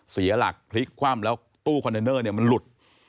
เสียหลักพลิกคว่ำแล้วตู้คอนเทนเนอร์เนี่ยมันหลุด